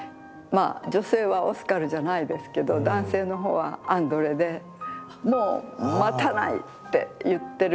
女性はオスカルじゃないですけど男性のほうはアンドレで「もう待たない」って言ってる。